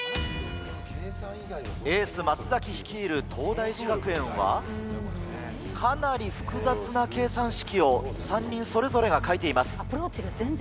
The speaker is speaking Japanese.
エース松率いる東大寺学園はかなり複雑な計算式を３人それぞれが書いています。